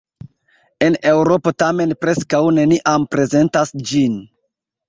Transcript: En Eŭropo tamen preskaŭ neniam prezentas ĝin.